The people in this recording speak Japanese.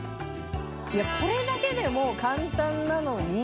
いやこれだけでもう簡単なのに。